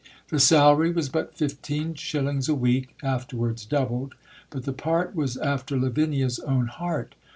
The salary was but fifteen shillings a week (afterwards doubled); but the part was after Lavinia's own heart.